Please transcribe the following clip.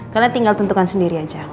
karena tinggal tentukan sendiri aja